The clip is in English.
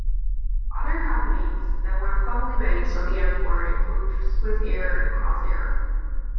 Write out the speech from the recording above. Other companies that were formerly based on the airport include Swissair and Crossair.